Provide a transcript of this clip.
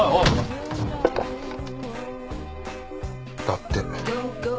だって。